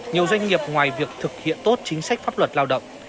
nhiều doanh nghiệp ngoài việc thực hiện tốt chính sách pháp luật lao động